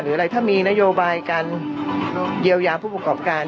หรืออะไรถ้ามีนโยบายการเยียวยาผู้ประกอบการ